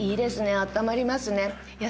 あったまりますね。